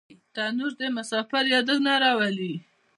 تنور د مسافر یادونه راولي